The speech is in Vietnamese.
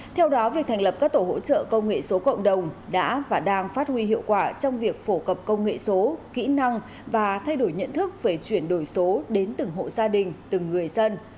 theo đó việc thành lập các tổ hỗ trợ công nghệ số cộng đồng đã và đang phát huy hiệu quả trong việc phổ cập công nghệ số kỹ năng và thay đổi nhận thức về chuyển đổi số đến từng hộ gia đình từng người dân